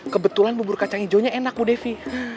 kebetulan bubur kacang hijaunya enak bu devi